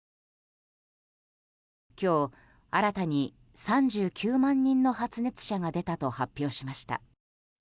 今日、新たに３９万人の発熱者が出たと発表しました。